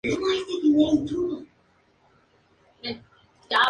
El tratamiento depende de la identificación de la causa.